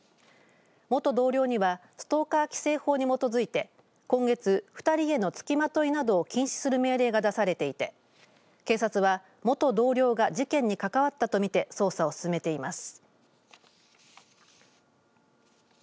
元同僚にはストーカー規制法に基づいて今月、２人へのつきまといなどを禁止する命令が出されていて警察は、元同僚が事件に関わったとみて捜査を進めています。